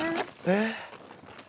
えっ？